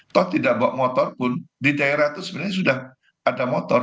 toh tidak bawa motor pun di daerah itu sebenarnya sudah ada motor